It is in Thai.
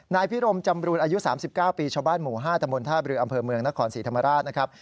นายพิรมจำรูนอายุ๓๙ปีชาวบ้านหมู่๕ตำบลท่าบรืออำเภอเมืองนครศรีธรรมราชนะครับ